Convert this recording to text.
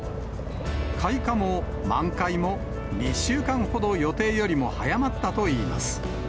開花も満開も、２週間ほど予定よりも早まったといいます。